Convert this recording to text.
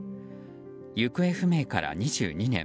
行方不明から２２年。